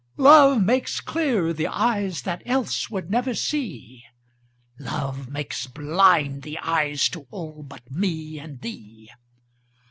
Love makes clear the eyes that else would never see: "Love makes blind the eyes to all but me and thee."